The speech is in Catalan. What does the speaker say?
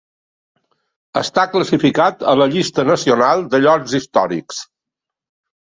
Està classificat a la llista nacional de llocs històrics.